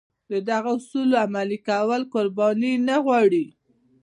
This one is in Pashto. د دغو اصولو عملي کول قرباني نه غواړي.